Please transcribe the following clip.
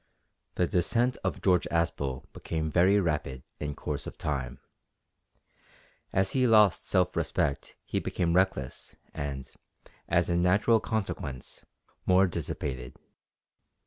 The descent of George Aspel became very rapid in course of time. As he lost self respect he became reckless and, as a natural consequence, more dissipated.